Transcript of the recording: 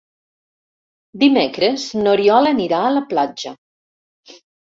Dimecres n'Oriol anirà a la platja.